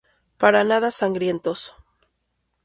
Para nada sangrientos.